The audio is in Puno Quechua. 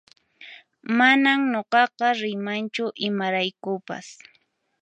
Manan nuqaqa riymanchu imaraykupas